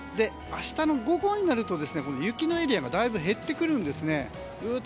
明日の午後になると雪のエリアがだいぶ減ってくるんです。